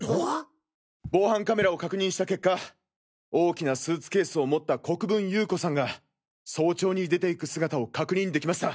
防犯カメラを確認した結果大きなスーツケースを持った国分優子さんが早朝に出ていく姿を確認できました。